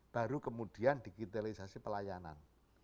baru kemudian digitalisasi pelayanan